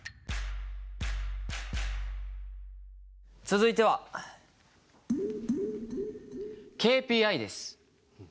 続いては「ＫＰＩ」です。